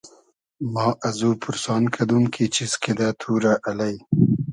ما ازو پورسان کئدوم کی چیز کیدۂ تو رۂ الݷ